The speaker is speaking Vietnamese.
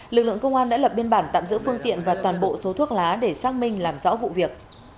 lực lượng công an đã lập biên bản tạm giữ phương tiện và toàn bộ số thuốc lá để xác minh làm rõ vụ việc